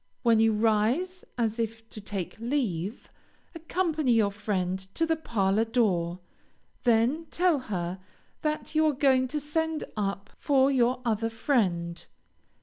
When you rise as if to take leave, accompany your friend to the parlor door, then tell her that you are going to send up for your other friend.